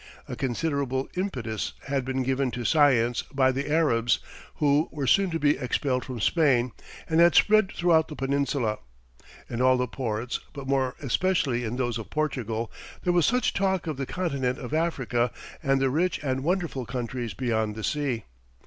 A considerable impetus had been given to science by the Arabs (who were soon to be expelled from Spain), and had spread throughout the peninsula. In all the ports, but more especially in those of Portugal, there was much talk of the continent of Africa, and the rich and wonderful countries beyond the sea.